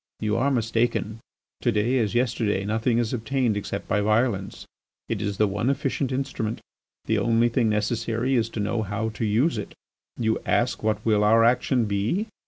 You are mistaken. To day as yesterday nothing is obtained except by violence; it is the one efficient instrument. The only thing necessary is to know how to use it. You ask what will our action be?